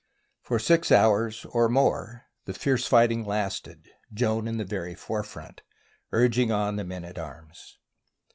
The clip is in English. For six hours or more the fierce fighting lasted, Joan in the very forefront, and urging on the men at arms.